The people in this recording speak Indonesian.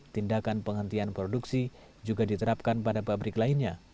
tindakan penghentian produksi juga diterapkan pada pabrik lainnya